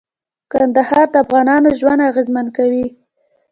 کندهار د افغانانو ژوند اغېزمن کوي.